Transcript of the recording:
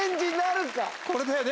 これだよね